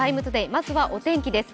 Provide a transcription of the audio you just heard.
まずはお天気です。